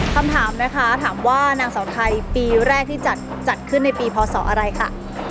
คำถามนะคะถามว่านางเสาไทยปีแรกที่จัดขึ้นในปีพศอะไรค่ะ